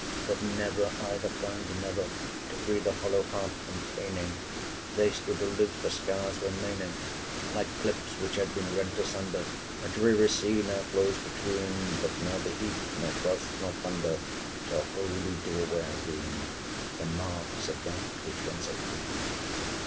But never either found another To free the hollow heart from paining 420 They stood aloof, the scars remaining, Like cliffs which had been rent asunder; A dreary sea now flows between; But neither heat, nor frost, nor thunder, Shall wholly do away, I ween, 425 The marks of that which once hath been.